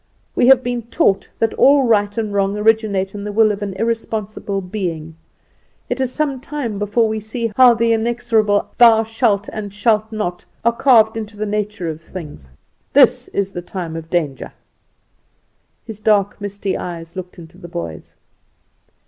We have been taught that all right and wrong originate in the will of an irresponsible being. It is some time before we see how the inexorable 'Thou shalt and shalt not,' are carved into the nature of things. This is the time of danger." His dark, misty eyes looked into the boy's.